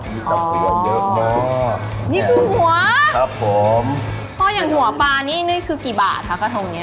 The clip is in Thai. มีตะปูเยอะมากนี่คือหัวครับผมพ่ออย่างหัวปลานี่นี่คือกี่บาทคะกระทงเนี้ย